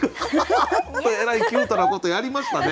どえらいキュートなことやりましたね。